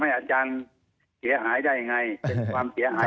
ภัยบูรณ์นิติตะวันภัยบูรณ์นิติตะวัน